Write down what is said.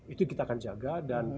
itu kita akan jaga